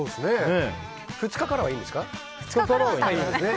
２日からはいいんですよね。